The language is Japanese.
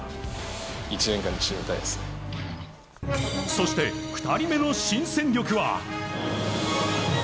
そして、２人目の新戦力は。